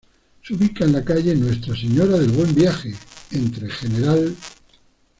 Se ubica en la calle "Nuestra Señora del Buen Viaje" entre "Gral.